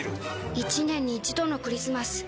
１年に一度のクリスマス。